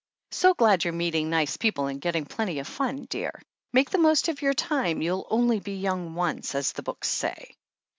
So glad you're meeting nice people and getting plenty of fun, dear. Make the most of your time — ^you'll only be yoimg once, as the books say.